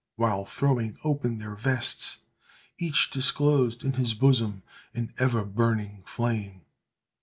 —while, throwing open their vests, each disclosed in his bosom an ever burning flame!